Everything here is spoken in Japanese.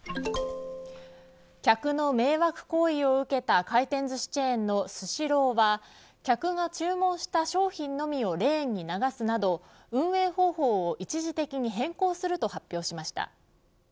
客の迷惑行為を受けた回転ずしチェーンのスシローは、客が注文した商品のみをレーンに流すなど運営方法を一時的に変更すると発表しました。